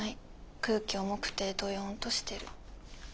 空気重くてどよんとしてる。